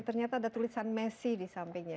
ternyata ada tulisan messi di sampingnya